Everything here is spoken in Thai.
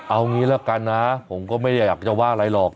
เอางี้ละกันนะผมก็ไม่ได้อยากจะว่าอะไรหรอก